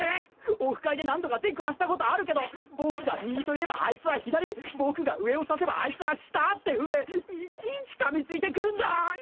オフ会で何度か出くわしたことあるけど僕が右と言えばアイツは左僕が上を指せばアイツは下ってふうでいちいち噛みついてくるんだ！